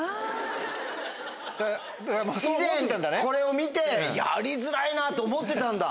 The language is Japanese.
以前これを見て「やりづらいな」と思ってたんだ？